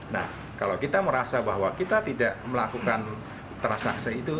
nah kalau kita merasa bahwa kita tidak melakukan transaksi itu